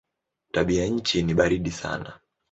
Tabianchi ni baridi sana.